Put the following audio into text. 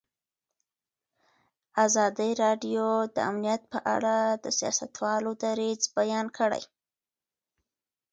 ازادي راډیو د امنیت په اړه د سیاستوالو دریځ بیان کړی.